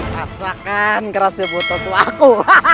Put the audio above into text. rasakan kerasnya butuh aku